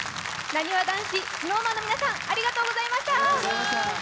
なにわ男子、ＳｎｏｗＭａｎの皆さんありがとうございました。